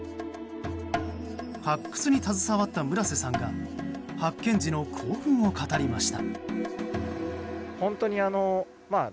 発掘に携わった村瀬さんが発見時の興奮を語りました。